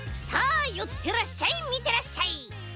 さあよってらっしゃいみてらっしゃい。